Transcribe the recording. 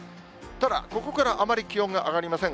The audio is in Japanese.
ただここからあまり気温が上がりません。